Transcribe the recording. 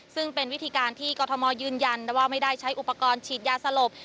ซึ่งเป็นวิธีการที่กรทมยืนยันว่าไม่ได้ใช้อุปกรณ์ฉีดยาสลบ